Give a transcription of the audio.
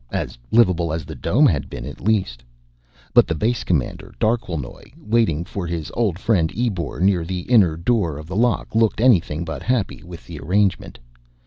As livable as the dome had been, at least. But the base commander, Darquelnoy, waiting for his old friend Ebor near the inner door of the lock, looked anything but happy with the arrangement.